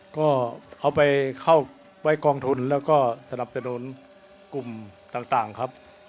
ก็เอาไปเข้าไว้กองทุนแล้วก็สนับสนุนกลุ่มต่างครับ